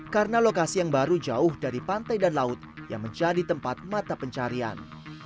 karena lokasi yang baru jauh dari pantai dan laut yang menjadi tempat mata pencarian